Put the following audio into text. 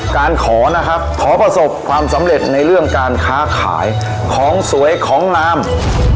ขอนะครับขอประสบความสำเร็จในเรื่องการค้าขายของสวยของงาม